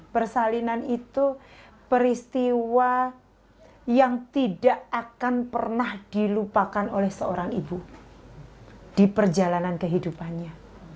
persalinan itu peristiwa yang tidak akan pernah dilupakan oleh seorang ibu di perjalanan kehidupannya